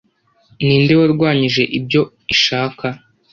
ni nde warwanyije ibyo ishaka